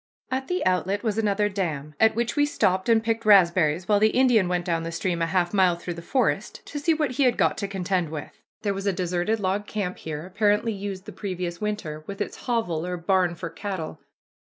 At the outlet was another dam, at which we stopped and picked raspberries, while the Indian went down the stream a half mile through the forest, to see what he had got to contend with. There was a deserted log camp here, apparently used the previous winter, with its "hovel" or barn for cattle.